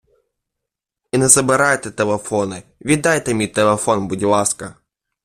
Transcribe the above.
І не забирайте телефони, віддайте мій телефон, будь ласка.